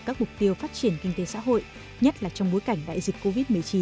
các mục tiêu phát triển kinh tế xã hội nhất là trong bối cảnh đại dịch covid một mươi chín